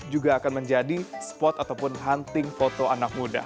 juga akan menjadi spot ataupun hunting foto anak muda